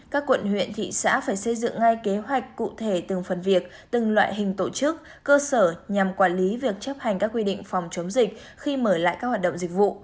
các quận huyện thị xã phải xây dựng ngay kế hoạch cụ thể từng phần việc từng loại hình tổ chức cơ sở nhằm quản lý việc chấp hành các quy định phòng chống dịch khi mở lại các hoạt động dịch vụ